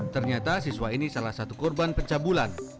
ternyata siswa ini salah satu korban pencabulan